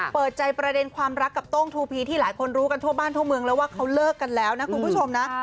เปิดใจประเด็นความรักกับโต้งทูพีที่หลายคนรู้กันทั่วบ้านทั่วเมืองแล้วว่าเขาเลิกกันแล้วนะคุณผู้ชมนะ